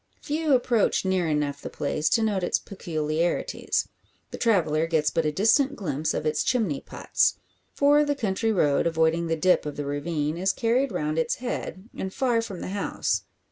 Few approach near enough the place to note its peculiarities. The traveller gets but a distant glimpse of its chimney pots; for the country road, avoiding the dip of the ravine, is carried round its head, and far from the house.